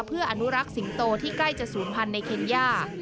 เพื่ออนุรักษ์สิงโตที่ใกล้จะศูนย์พันธุในเคนย่า